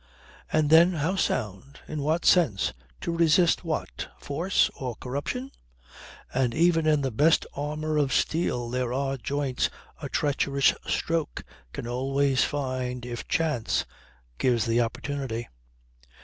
And then how sound? In what sense to resist what? Force or corruption? And even in the best armour of steel there are joints a treacherous stroke can always find if chance gives the opportunity.